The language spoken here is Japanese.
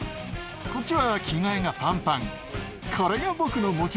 こっちは着替えがパンパン。